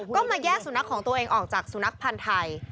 ก็มาแยกสุนัขของตัวเองออกจากสุนัขพันธ์ไทย